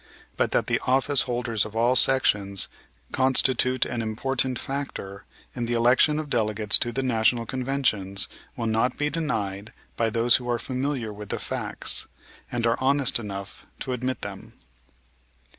But that the office holders of all sections constitute an important factor in the election of delegates to the National Conventions will not be denied by those who are familiar with the facts, and are honest enough to admit them.